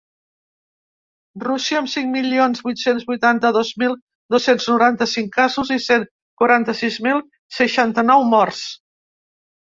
Rússia, amb cinc milions vuit-cents vuitanta-dos mil dos-cents noranta-cinc casos i cent quaranta-sis mil seixanta-nou morts.